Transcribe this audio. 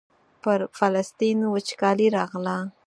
پر فلسطین وچکالي راغله.